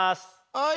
はい。